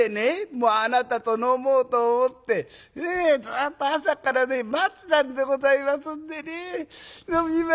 もうあなたと飲もうと思ってずっと朝からね待ってたんでございますんでね飲みましょうよ！」。